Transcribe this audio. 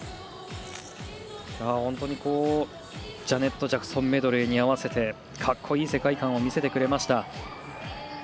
「ジャネット・ジャクソンメドレー」に合わせて格好いい世界観を見せてくれました。